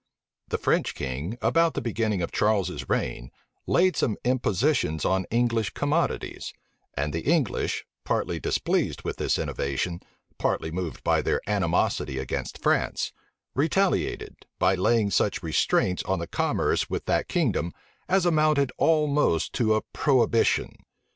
The French king, about the beginning of Charles's reign, laid some impositions on English commodities: and the English, partly displeased with this innovation, partly moved by their animosity against France, retaliated, by laying such restraints on the commerce with that kingdom as amounted almost to a prohibition.